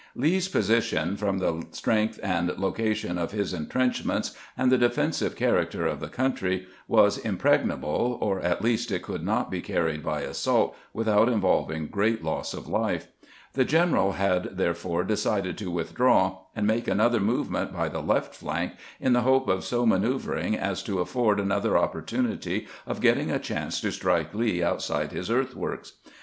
Lee's position, from the strength and location of his intrenchments and the defensive character of the country, was impregnable, or at least it could not be carried by assault without involving great loss of life. The general had therefore decided to withdraw, and make another movement by the left flank, in the hope of so manoeuvering as to afford another opportunity of getting a chance to strike Lee outside his earthworks.